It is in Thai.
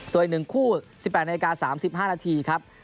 ส่วนอีก๑คู่๑๘นาฬิกา๓๕นาทีครับ